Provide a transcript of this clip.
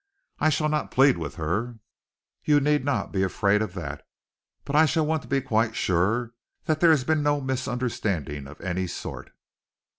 I shall not plead with her you need not be afraid of that but I shall want to be quite sure that there has been no misunderstanding of any sort."